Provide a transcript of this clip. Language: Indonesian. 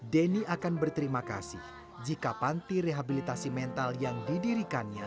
denny akan berterima kasih jika panti rehabilitasi mental yang didirikannya